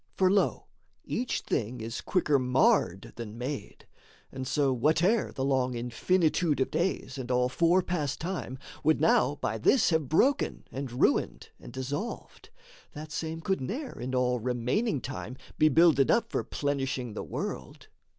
For, lo, each thing is quicker marred than made; And so whate'er the long infinitude Of days and all fore passed time would now By this have broken and ruined and dissolved, That same could ne'er in all remaining time Be builded up for plenishing the world.